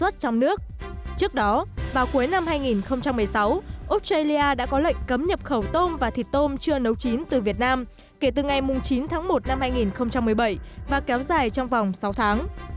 trước đó vào cuối năm hai nghìn một mươi sáu australia đã có lệnh cấm nhập khẩu tôm và thịt tôm chưa nấu chín từ việt nam kể từ ngày chín tháng một năm hai nghìn một mươi bảy và kéo dài trong vòng sáu tháng